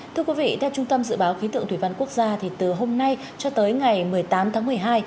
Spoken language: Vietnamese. thưa quý vị theo trung tâm dự báo khí tượng thủy văn quốc gia từ hôm nay cho tới ngày một mươi tám tháng một mươi hai